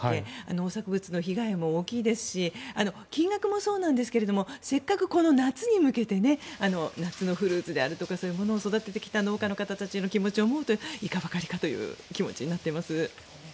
農作物の被害も大きいですし金額もそうなんですがせっかくこの夏に向けて夏のフルーツであるとかそういうものを育ててきた農家の方の気持ちを思うといかばかりかという気持ちになっています。